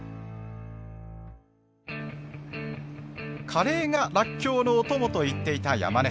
カレーがらっきょうのおともと言っていた山根さん。